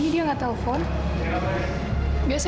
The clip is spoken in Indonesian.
sedangkan kita sedangbands